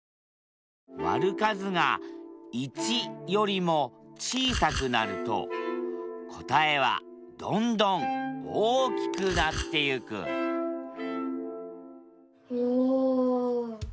割る数が１よりも小さくなると答えはどんどん大きくなってゆくおお！